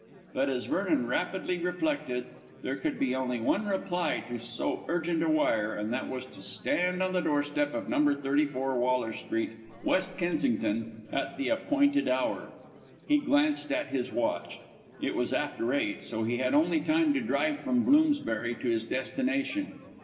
But, as Vernon rapidly reflected, there could be only one reply to so urgent a wire, and that was to stand on the doorstep of No. 34, Waller Street, West Kensington, at the appointed hour. He glanced at his watch. It was after eight, so he had only time to drive from Bloomsbury to his destination.